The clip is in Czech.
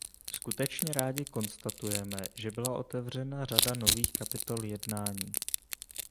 Skutečně rádi konstatujeme, že byla otevřena řada nových kapitol jednání.